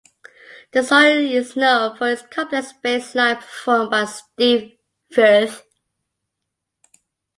The song is known for its complex bass line performed by Steve Firth.